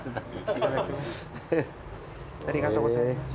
ありがとうございます。